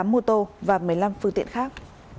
một một trăm linh tám mô tô và một mươi năm phương tiện khác